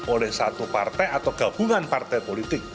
oleh satu partai atau gabungan partai politik